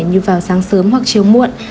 như vào sáng sớm hoặc chiều muộn